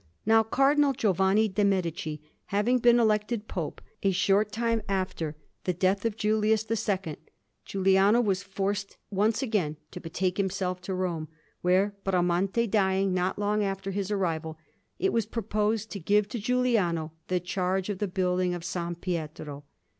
Now Cardinal Giovanni de' Medici having been elected Pope a short time after the death of Julius II, Giuliano was forced once again to betake himself to Rome; where, Bramante dying not long after his arrival, it was proposed to give to Giuliano the charge of the building of S. Pietro.